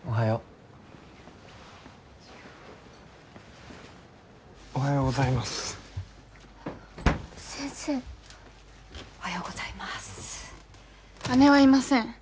姉はいません。